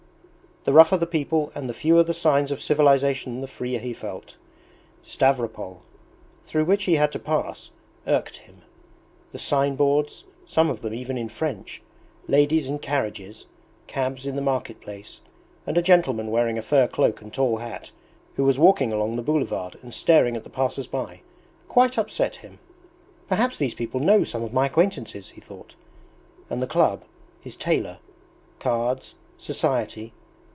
The rougher the people and the fewer the signs of civilization the freer he felt. Stavropol, through which he had to pass, irked him. The signboards, some of them even in French, ladies in carriages, cabs in the marketplace, and a gentleman wearing a fur cloak and tall hat who was walking along the boulevard and staring at the passersby, quite upset him. "Perhaps these people know some of my acquaintances," he thought; and the club, his tailor, cards, society